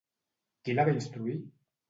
Qui la va instruir?